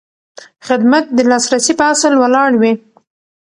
خدمت د لاسرسي په اصل ولاړ وي.